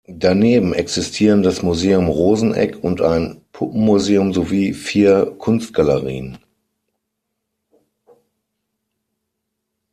Daneben existieren das Museum Rosenegg und ein Puppenmuseum sowie vier Kunstgalerien.